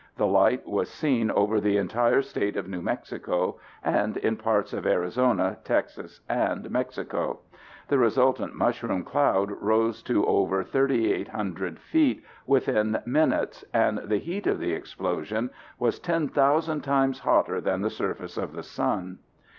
The light was seen over the entire state of New Mexico and in parts of Arizona, Texas, and Mexico. The resultant mushroom cloud rose to over 38,000 feet within minutes, and the heat of the explosion was 10,000 times hotter than the surface of the sun!